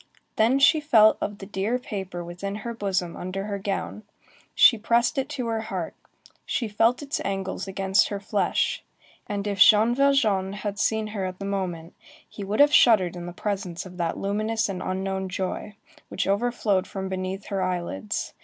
Then she felt of the dear paper within her bosom under her gown, she pressed it to her heart, she felt its angles against her flesh; and if Jean Valjean had seen her at the moment, he would have shuddered in the presence of that luminous and unknown joy, which overflowed from beneath her eyelids.